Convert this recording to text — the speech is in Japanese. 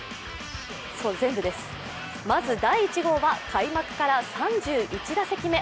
まず第１号は開幕から３１打席目。